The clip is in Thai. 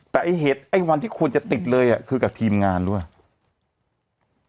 แต่ไอ้เห็ดไอ้วันที่ควรจะติดเลยอะคือกับทีมงานด้วย